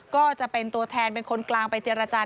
ก็จะเป็นตัวแทนเป็นคนกลางไปเจรจา